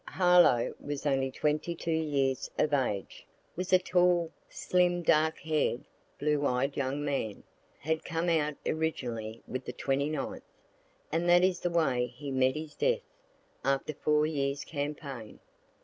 Harlowe was only 22 years of age was a tall, slim, dark hair'd, blue eyed young man had come out originally with the 29th; and that is the way he met his death, after four years' campaign.